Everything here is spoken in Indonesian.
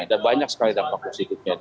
ada banyak sekali dampak positifnya